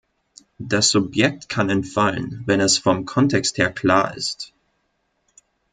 Das Subjekt kann entfallen, wenn es vom Kontext her klar ist.